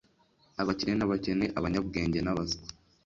Abakire n'abakene, abanyabwenge n'abaswa,